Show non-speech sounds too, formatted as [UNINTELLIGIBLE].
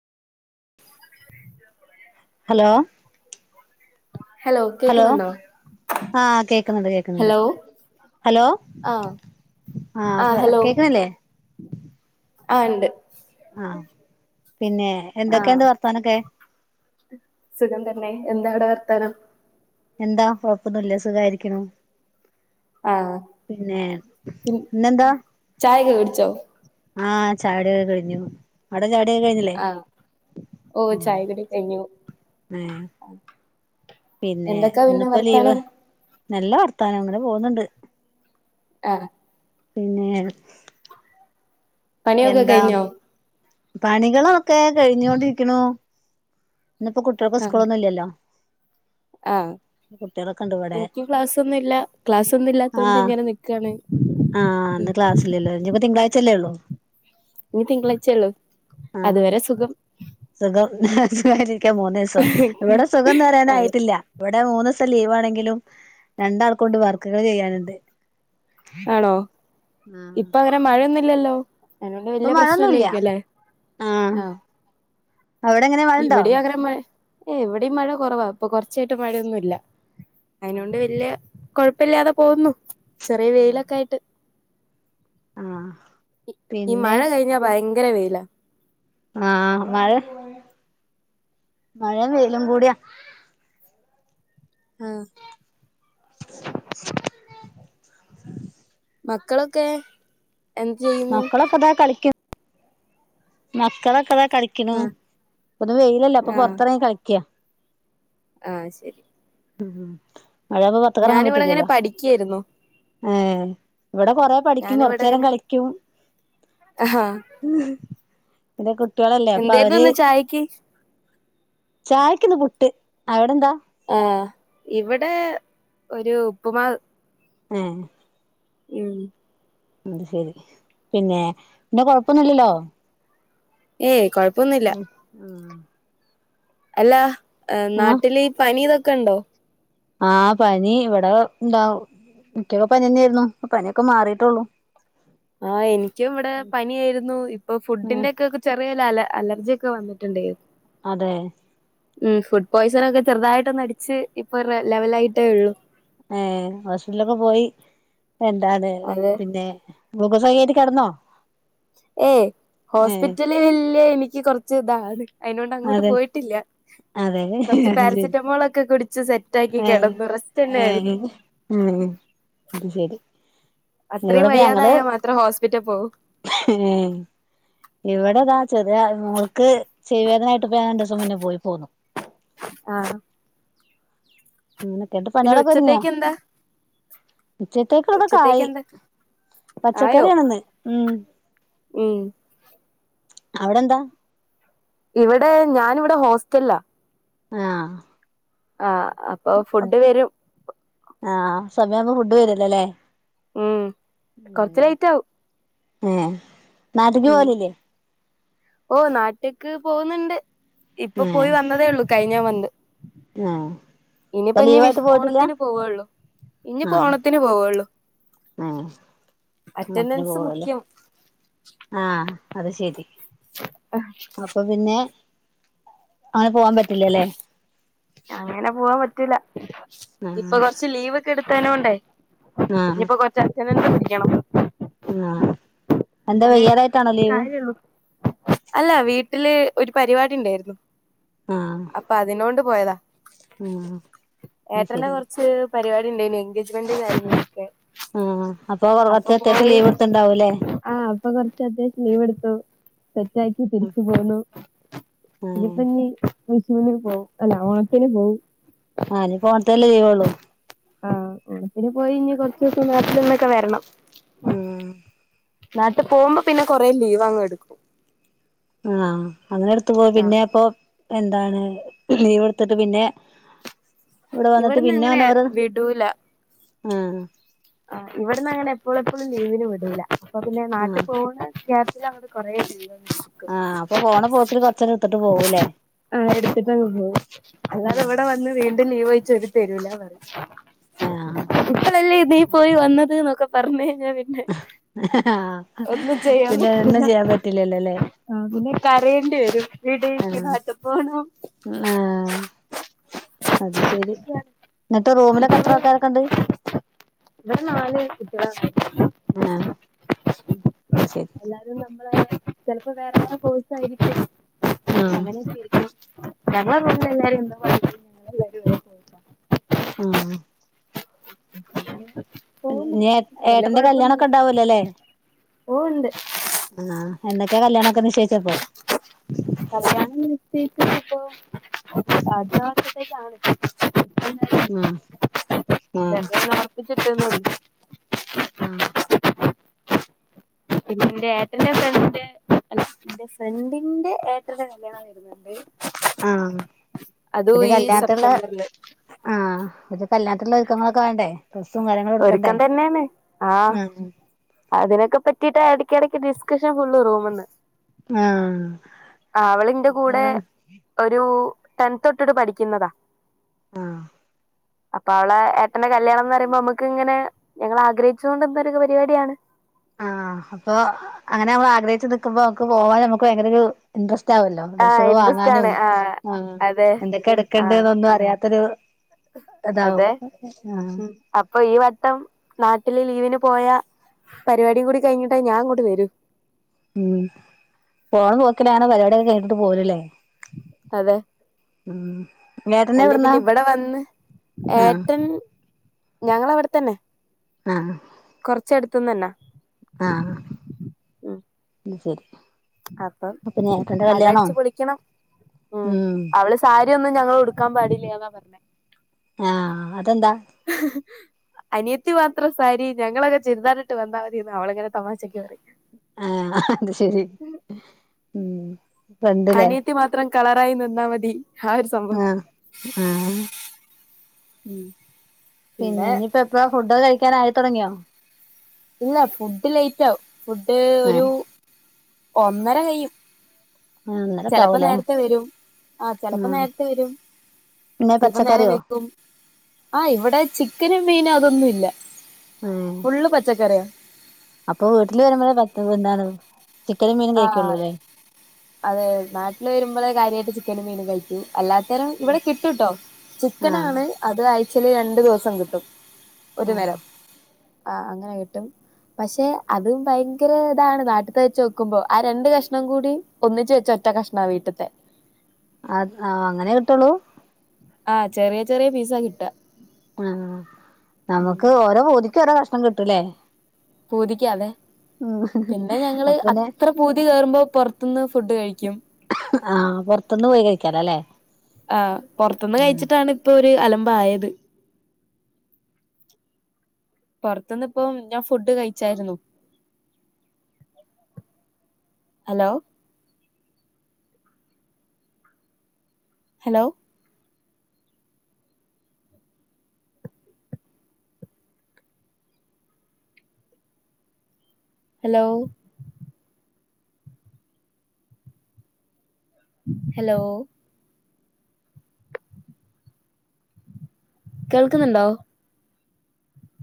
hello hello കേക്കുന്നുണ്ടോ ആ കേക്ക്ന്ന്ണ്ട് കേക്ക്ന്ന്ണ്ട് ഹലോ ഹലോ ആഹ് ആ ആഹ് പറ കേക്ക്ന്നല്ലേ ആ ഇണ്ട് ആ പിന്നെ ആഹ് എന്തൊക്കെയ്ണ്ട് വർത്താനൊക്കെ സുഖം തന്നെ എന്താവടെ വർത്താനം എന്താ കൊഴപ്പൊന്നൂല്ല സുഖായിരിക്ക്ണു ആഹ് പിന്നെ ന്നെന്താ ചോ ആ ചായോടിഒക്കെ കഴിഞ്ഞു അവിടെ ചാ ടി ഒക്കെ കഴ്ഞ്ഞിലെ ആഹ് ഓ ആ ചായകുടി കഴിഞ്ഞു ഏ പിന്നെ എന്തൊക്കാ പിന്നെ ഇന്നിപ്പോ ലീവ് വർത്താനം നല്ല വർത്താനങ്ങനെ പോകുന്നുണ്ട് ആ അ പിന്നെ പണിയൊക്കെ എന്താ കയ്ഞ്ഞോ പണികളൊക്കെ കഴിഞ്ഞുകൊണ്ടിരിക്ക്ണു ഇന്ന്പ്പോ കുട്ടികൾക്ക് സ്കൂളൊന്നുല്ല്യല്ലോ ആ ഇവിടെ എൻക്ക് ക്ലാസ്സൊന്നൂല്ല ക്ലാസ്സൊന്നുല്ലാത്തോണ്ട് ആ ഇങ്ങനെ നിക്കാണ് ആഹ് ഇന്ന് ക്ലാസ്സില്ലല്ലോ ഇനിപ്പോ തിങ്കളാഴ്ചല്ലേള്ളൂ ഇനി തിങ്കളാഴ്ചയൊള്ളു അത് വരെ സുഖം സുഖായിട്ടിരിക്കാ മൂന്നു ദിവസം ഇവടെ സുഖന്ന് അതെ പറയാനായിട്ടില്ല ഇവിടെ മൂന്നൂസം ത്തെ ലീവാണെങ്കിലും രണ്ടാൾക്കൊണ്ട് വർക്കുകൾ ചെയ്യാനുണ്ട് ആണോ ആഹ് ഇപ്പോ അങ്ങനെ മഴയൊന്നുല്ലല്ലോ അയ് കൊണ്ട് ഇപ്പൊ വല്ല്യ പ്രശ്ന മഴൊന്നുല്ല ഇല്ലേക്കുംഅല്ലേ ആഹ് ആ അവിടെ എങ്ങനെ മഴണ്ടോ ഇവിടെ അങ്ങനെ മഴ ഏഹ് എവിടെയും മഴ കുറവാ ഇപ്പൊ കൊറച്ചായിട്ട് മഴയൊന്നുമല്ല അയിനൊണ്ട് ആഹ് വല്യ കൊഴപ്പല്ലാണ്ട് പോവുന്നു ചെറിയ വെയിലൊക്കെ ആയിട്ട് ആ ആ ഈ മഴ കഴിഞ്ഞാ ഭയങ്കര വൈലാ ആഹ മഴ മഴ വൈലും കൂടിയാ ആ [UNINTELLIGIBLE] മക്കളൊക്കെ എന്ത് ചെയ്യുന്നു മക്കളാക്ക ഇതാ കളിക്കുന്ന് മക്കളൊക്കെതാ കളിക്കണു ആഹ് ഇപ്പൊ വെയിലല്ലേ അപ്പൊ പൊറത്തിറങ്ങി കളിക്കാ ആഹ ശരി ഉം ഹ മഴപോവാതെ പുറത്ത്കറങ്ങാൻ ഞാനിവിടെ ഇങ്ങനെ പറ്റൂല്ലല്ലോ പഠിക്കായിരുന്നു ഏഹ് ഇവിടെ കൊറേ പഠിക്കും ഞാനിവിടെ കൊറച്ചേരം ഇങ്ങനെ കളിക്കും ആഹാ ഈഹ് കുട്ട്യളല്ലേ അപ്പൊ എന്തായിരുന്നു അവര് ഇന്ന് ചായക്ക് ചായക്ക്ന്ന് പുട്ട് അവിടെ എന്താ ആ ഇവിടെ ഒരു ഉപ്പുമാവ് ഏഹ് ഉം അയിശേരി പിന്നെ പിന്നെ കൊഴപ്പൊന്നുംല്ലല്ലോ ഏയ് കൊഴപ്പൊന്നുല്ല ഉം ഉം അല്ല നാട്ടില് ഈ പനി ഇതൊക്കെ ഉണ്ടോ ആഹ പനി ഇവിടെ ണ്ടാവും ഇയ്ക്കു ക്കൊക്കെ പനിന്നെയായിരുന്നു പനിക്കെ മാറിയിട്ടുള്ളൂ ആഹ് എനിക്കും ഇവിടെ പനിയായിരുന്നു ഇപ്പൊ ഫുഡിന്റെക്കെ ഒക്കെ ചെറിയൊരു അലർജി അലർജിക്കെ വന്നിട്ടുണ്ടെ അ അതെ ഉം ഫുഡ് പോയ്സൺ ഒക്കെ ചെറുതായിട്ടടിച്ചു ഇപ്പൊ ലെവൽലായിട്ടേ ഉള്ളു ഏ ഹോസ്പിറ്റലൊക്കെ പോയി എന്താദ് അത് പിന്നെ ഗ്ലുക്കോ [UNINTELLIGIBLE] ട്ട് കെടന്നോ ഏയ് ഹോസ്പിറ്റല് ലിലെ എനിക്ക് കുറച്ച് ഇതാണ് അയിനോണ്ട് അങ്ങോട്ട് അതെ പോയിട്ടില്ല അതെ കൊറച്ച് അത് ശരി പാരസെറ്റമോളൊക്കെ കുടിച്ച് സെറ്റ് ആക്കി ഏ കെടന്നു റെസ്റ്റ്ന്നെ ഏ ആയിരുന്നു അത് ശരി ഇവിടിപ്പ ഞങ്ങള് വയ്യാതായാൽ മാത്രം ഹോസ്പിറ്റൽ പോവും ഇവിടെതാ ചെറിയ മോൾക്ക് ചെവി വേദനായിട്ട് ഇപ്പ ഞാൻ രണ്ടുസം മുന്നേ പോയി പോന്നു ആഹ് ഉം [UNINTELLIGIBLE] പിന്നെ പണികളൊക്കെ ഒതുങ്ങിയ ഉച്ചത്തേക്ക് എന്താ ഉച്ചത്തേക്കുള്ളതൊക്കായി ഉച്ചത്തേക്ക് എന്താ ആയോ പച്ചക്കറിയാണ്ന്ന് ഉം ഉം അവടെന്താ ഇവിടെ ഞാനിവിടെ ഹോസ്റ്റലിലാ ആ ആ അപ്പൊ ഫുഡ് വരും ആഹ് സമയാവുമ്പോ ഫുഡ് വരുല്ലല്ലേ ഉം കൊറച്ച് ലെയ്റ്റാവും ഏ ഉം ഓ നാട്ട്ക്ക് പോന്നുണ്ട് ഇപ്പൊ പോയി വന്നതേ ഉള്ളൂ കഴിഞ്ഞ മന്ത് ആ ഇനിപ്പോ ഇനി വിഷ് ഓണത്തിന് പോവുള്ളു ഇനിയിപ്പോ ഓണത്തിന് പോവുള്ളു എ ഓണത്തിന് അറ്റൻഡൻസ് പോവാല്ലേ മുഖ്യം ആ അത് ശരി അപ്പൊ പിന്നെ അങ്ങനെ പോവാൻ പറ്റില്ലല്ലേ അങ്ങനെ പോവാൻ പറ്റൂല ഇപ്പൊ ആഹ് കൊറച്ച് ലീവ് ഒക്കെ എടുത്താനും കൊണ്ടേ ആഹ് ഇനിയിപ്പൊ കൊറച്ച് [UNINTELLIGIBLE] ക്കണം ആ എന്താ വയ്യാതായിട്ടാണോ ലീവ് കാര്യള്ളൂ അല്ല വീട്ടില് ഒരു പരിപാടി ഇണ്ടായിരുന്നു ആഹ് അപ്പൊ അതിനോണ്ട് പോയതാ ആഹ് അത് ഏട്ടന്റെ ശരി കൊറച്ച് പരിപാടി ഇണ്ടായിനേ എൻഗേജ്മെന്റ് കാര്യങ്ങളൊക്കെ ആ അപ്പൊ കൊറച്ചത്യാവശ്യം ലീവ് എടുത്ത്ണ്ടാവൂല്ലേ ആ അപ്പൊ കൊറച്ചത്യാവശ്യം ലീവ് എടുത്തു സെറ്റാക്കി തിരിച്ചു പോന്നു ആ ഇനിപ്പന്നി വിഷുനു പോവും അല്ല ഓണത്തിന് പോവും ആ ഇനിപ്പോഓണത്തിനല്ലേ ലീവുള്ളു ആഹ് ഓണത്തിന് പോയി ഇഞ്ഞ് കൊറച്ച് ദിവസം [UNINTELLIGIBLE] വരണം നാട്ട് പോകുമ്പോ പിന്നെ കൊറെ ലീവാങ്ങെടുക്കും ആഹ് അങ്ങനെ എടുത്തു പോയ പിന്നെ അപ്പൊ എന്താണ് ലീവ് എടുത്തിട്ട് പിന്നെ ഇവടെ വന്നിട്ട് ഇവിടുന്ന് പിന്നെ അങ്ങനെ ന്ന രോന്ന് വിടൂല ആ ആ ഇവിടന്ന് അങ്ങനെ എപ്പോളെപ്പോഴും ലീവിന് വിടൂല അപ്പൊ പിന്നെ ആ നാട്ടിൽ പോകുന്ന ഗ്യാ പ്പിലങ്കട് കൊറേ ആ അപ്പൊ പോണ പോക്കില് കൊറച്ചേരം എടുത്തിട്ട് പോവൂല്ലേ [UNINTELLIGIBLE] ആ എടുത്തിട്ടങ്ങ് പോവും അല്ലാതെ ഇവടെ വന്ന് വീണ്ടും ലീവൊയ്ച്ച ഓര് തരൂല പറയും ആ ഇപ്പളല്ലേ നീ പോയി വന്നത് ന്നൊക്കെ പറഞ്ഞ് ആ ഒന്നും പിന്നെ ഒന്നും ചെയ്യാൻ പറ്റില്ലല്ലോല്ലേ ആ പിന്നെ കരയേണ്ടി വരും ആ [UNINTELLIGIBLE] നാട്ട് പോണം ആ അത് ശെരി എന്തൊക്കെയാണ് ന്നിട്ട് റൂമിലൊക്കെ എത്ര ആൾക്കാരൊക്കെ ഇണ്ട് ഇവടെ നാല് കുട്ട്യോള [UNINTELLIGIBLE] ആ ന്നാശെരി ചെലപ്പോ വേറെ വേറെ കോഴ്സ് ആയിരിക്കും ആ അങ്ങനൊക്കിരിക്ക്ണു [UNINTELLIGIBLE] ആഹ് പോകുന്നു വല്ല ഇന്യാട്ഏട്ടന്റെ കല്യാണൊക്കെ കുഴപ്പമൊന്നുമില്ല ഇണ്ടാവുലോല്ലേ ഓ ഉണ്ട് ആ എന്നക്കാ കല്യാണൊ ക്കെ നിശ്ചയിച്ചപ്പോ കല്യാണം നിശ്ചയിച്ച ഇപ്പോൊ അദ്യഷത്തെ കാാണ് ഉം ഉപ്പിച്ചിട്ടന്ന ആഹ പിന്നെ എ ഏട്ടറെ ഫ്രണ്ട് രണ്ടിന്റെ ഏറ്റത്തെ കല്യാ വരുന്നുണ്ട് ആഹ അതും പി ഈ കല്ലാത്തുള്ള സെപ്റ്റംബറില് ആഹ പി കല്ലാ മുള്ള ഒരുക്കങ്ങളൊക്കെ വേണ്ടേ പ്രസും കാര്യങ്ങളും എടുക്കണ്ടേ ഒരുക്കം തന്നെയാണ് ആഹ് ആ അതിനൊക്കെ പറ്റിട്ട് ഇടക്ക ഇടക്ക് ഡിസ്കഷൻ ഫുള്ള് റൂമന്ന് ആഹ് അവളിന്റെ കൂടെ കല്യാണം ഒരു ടെൻത്ൊട്ടിട്ട് പഠിക്കുന്നതാ ആഹ് അപ്പൊ അവള ഏട്ടന്റെ കല്യാണംന്ന് പറയുമ്പോ നമ്മുക്ക് ഇങ്ങനെ ഞങ്ങൾ ആഗ്രഹിച്ചു കൊണ്ടിന്നൊ ഒരു പരിപാടിയാണ് ആഹ അപ്പൊ അങ്ങനെ നമ്മൾ ആഗ്രഹിച്ചു നിക്കുമ്പോക്ക് പോവാൻ നമുക്ക് ഭയങ്കര ഇൻ്രസ്റ്റ് ാവല്ലോ ആഹ് ഡ്രസ്സുകൾ ഇൻട്രസ്റ്റ് വാങ്ങാനും ആണ് ആഹ് ആ അതെ എന്തൊക്കെ എടുക്കണ്ട ആഹ് എന്നൊന്നും അറിയാത്തൊരു ഇതാവും അതെ ആഹ് അപ്പൊ ഈ മൊത്തം നാട്ടില് ലീവിന് പോയ പരിപാടി കൂടി കഴിഞ്ഞിട്ടാ ഞാൻ അങ്ങോട്ട് വരൂ ഉം പോണ നോക്കലാണ് പരിപാടിയൊക്കെ കേട്ടിട്ട് പോലല്ലേ അതെ ഏട്ടന് അല്ലേ എവിടുന്നാ പിന്നെ ഇവിടെ വന്ന് ആഹ് ഏറ്റൻ ഞങ്ങള അവിടെത്തന്നെ ആഹ കൊറച്ചടുത്തന്ന് തന്നാ ആഹ ഉം അ ശരി അപ്പം അപ്പൊ ഏട്ടന്റെ കല്യാണോ അതടച്ച്ു പൊളിക്കണം ഉ ഉം അവള് സാരി യ ഒന്നും ഞങ്ങൾ കൊടുക്കാൻ പാടില്ലന്നാ പറഞ്ഞേ ആഹ അത അന റ്റു മാത്രം സാരി ഞങ്ങളക്കെുതാനട്ട് വാൽ മതിന്ന് അവളങ്ങനെ തമാശക്കക്ക് പറയും ആഹ അത് ശരി ഉം ഫ്രണ്ട്ല്ലേ അനിയത്തി മാത്രം കളറായി നിന്നാ മതി ആ ഒരു സംഭവം ആഹ് ആഹ് ഉം പിന്നെ ഇനിയിപ്പോ എപ്പാ ഫുഡ് കഴിക്കൻ ആയി തുടങ്ങിയോ ഇല്ല ഫുഡ ലൈറ്റവും ഫുഡ് ഏഹ് ഒരു ഒന്നര കൈും ഒന്നരൊക്കെ ചെിലപ്പോ ആവൂലേ നേരത്തെ വരും ആ ചെിലപ്പോ ഉം നേരത്തെ വരും പിന്നെ ചപ്പോ നേരം പച്ചക്കറിയോ വെക്കും ആ ഇവിടെ ചിക്കനും മീനും അതൊന്നും ഇല്ല ആഹ ക്കരം അപ്പൊ വീട്ടില് വരുമ്പോഴ പ എന്താണ് ചിക്കനും മീനും ആഹ കഴിക്കുള്ളൂല്ലേ അതെ നാട്ടില് വരുമ്പോള കാര്യമായിട്ട് ചിക്കന് മീന കഴിക്കും അല്ലാത്തരും ഇവിടെ കിട്ടൂട്ടോ ആഹ് ചിക്കനാണ് അത് ചില രണ്ടു ദിവസം കിട്ടും ഒരു ആഹ് നരം ആ അങ്ങനെ കിട്ടും പക്ഷെ അതും ഭയങ്കര ഇതാണ് നാട്ടത്ത വെച്ചോക്ക നക്കുമ്പോ ആ രണ്ട കഷ്ണം കൂടി ഒന്നിച്ചച്ച് വെച്ച ഒറ്റ കഷ്ണ വീട്ടത്തെ അ ആഹ അങ്ങനെ കിട്ടുള്ളൂ ആഹ് ചെറിയ ചെറിയ പിസ കിട്ട ആഹ നമുക്ക് ഓരോ പോതിക്ക ഓരോ കഷ്ണം കിട്ടൂലേ പൂതിക്ക അതെ ഉം പിന്നെ ഞങ്ങള് അപ്പന്നെ അത്ര പൂതി കേയറുമ്പോ പുറത്തുന്ന് ഫുഡ് കഴിക്കും ആഹ പുറത്തൊന്ന് പോയി കഴിക്കാല അല്ലേ ആ പുൊറത്തുന്ന് കഴിച്ചിട്ടാണ് ഇപ്പൊ ഒരു അലമ്പായത് പുൊറത്തുന്ന് ഇപ്പം ഞാൻ ഫുഡ് കഴിച്ചായിരുന്നു ഹലോ ഹലോ ഹലോ ഹലോ കേൾക്കുന്നുണ്ടോ